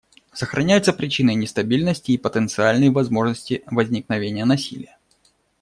Сохраняются причины нестабильности и потенциальные возможности возникновения насилия.